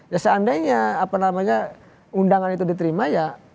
ya seandainya apa namanya undangan itu diterima ya